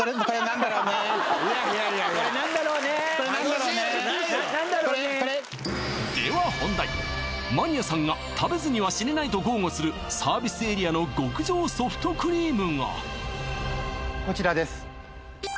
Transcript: これ何だろうねこれ何だろうねでは本題マニアさんが食べずには死ねないと豪語するサービスエリアの極上ソフトクリームがこちらです